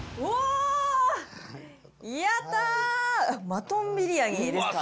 マトンビリヤニですか？